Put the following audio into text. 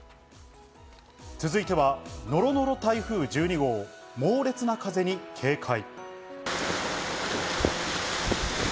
続いてはノロノロ台風１２号、猛烈な風に警戒。